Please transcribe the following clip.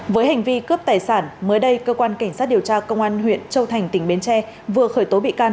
với hành vi cướp tài sản mới đây cơ quan cảnh sát điều tra công an huyện châu thành tỉnh bến tre vừa khởi tố bị can